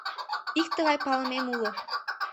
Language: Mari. — Ик тыгай палымем уло.